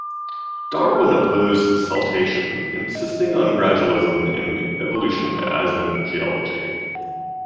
Darwin opposed saltation, insisting on gradualism in evolution as in geology.